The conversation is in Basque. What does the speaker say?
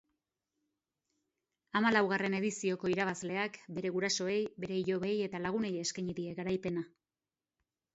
Hamalaugarren edizioko irabazleak bere gurasoei, bere ilobei eta lagunei eskaini die garaipena.